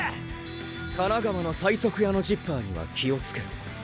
“神奈川の最速屋のジッパーには気をつけろ”。